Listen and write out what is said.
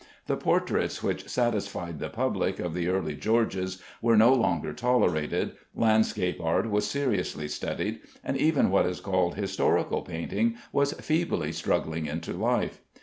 The portraits which satisfied the public of the early Georges were no longer tolerated. Landscape art was seriously studied, and even what is called historical painting was feebly struggling into life.